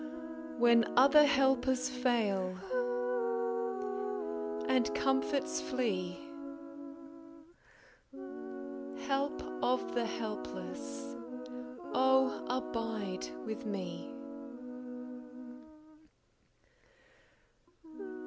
When other helpers fail, and comforts flee, Help of the helpless, oh, abide with me!